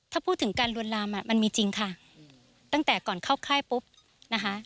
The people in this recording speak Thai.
ถ้าพูดถึงการลวนลามอ่ะมันมีจริงค่ะตั้งแต่ก่อนเข้าค่ายปุ๊บนะคะ